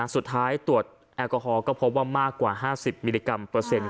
ตรวจแอลกอฮอลก็พบว่ามากกว่า๕๐มิลลิกรัมเปอร์เซ็นต์